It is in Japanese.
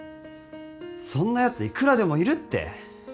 そんなやついくらでもいるって。